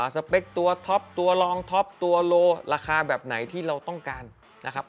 สเปคตัวท็อปตัวรองท็อปตัวโลราคาแบบไหนที่เราต้องการนะครับ